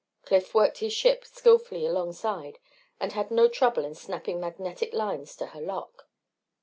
Cliff worked his ship skillfully alongside and had no trouble in snapping magnetic lines to her lock.